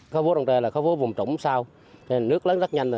khóa vũ đồng trề là khóa vũ vùng trống sau nước lớn rất nhanh